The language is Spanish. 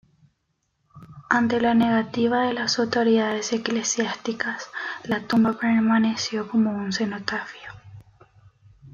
Ante la negativa de las autoridades eclesiásticas, la tumba permaneció como un cenotafio.